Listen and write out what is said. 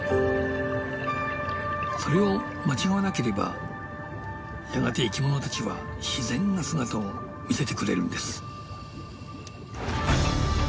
それを間違わなければやがて生きものたちは自然な姿を見せてくれるんです。